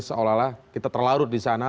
seolah olah kita terlarut di sana